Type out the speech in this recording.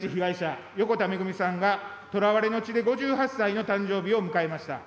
昨日、北朝鮮による拉致被害者、横田めぐみさんがとらわれの地で５８歳の誕生日を迎えました。